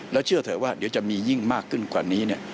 แล้วเชื่อเถอะว่าเดี๋ยวจะมียิ่งมากขึ้นกว่านี้